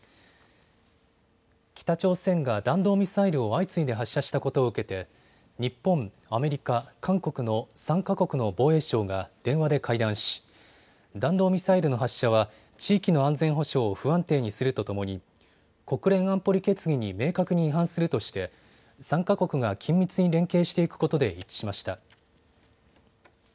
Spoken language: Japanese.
北朝鮮が弾道ミサイルを相次いで発射したことを受けて日本、アメリカ、韓国の３か国の防衛相が電話で会談し弾道ミサイルの発射は地域の安全保障を不安定にするとともに国連安保理決議に明確に違反するとして参加国が緊密に連携していくことで一致しました。